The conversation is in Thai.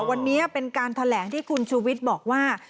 วันนี้เป็นการแถลงที่คุณชูวิทย์บอกว่า